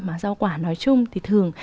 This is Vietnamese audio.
mà rau quả nói chung thì thường